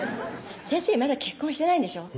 「先生まだ結婚してないんでしょ？」